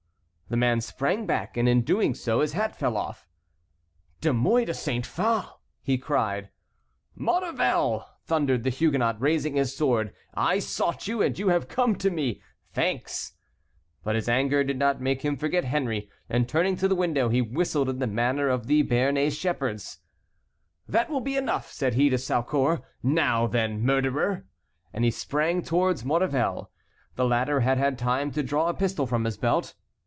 The man sprang back, and in doing so his hat fell off. "De Mouy de Saint Phale!" he cried. "Maurevel!" thundered the Huguenot, raising his sword. "I sought you, and you have come to me. Thanks!" But his anger did not make him forget Henry, and turning to the window he whistled in the manner of the Béarnais shepherds. "That will be enough," said he to Saucourt. "Now, then, murderer!" And he sprang towards Maurevel. The latter had had time to draw a pistol from his belt.